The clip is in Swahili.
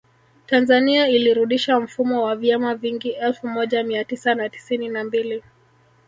Tanzania ilirudisha mfumo wa vyama vingi elfu moja Mia tisa na tisini na mbili